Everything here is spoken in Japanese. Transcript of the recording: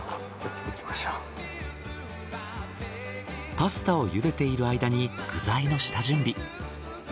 パスタを茹でている間に具材の下準備。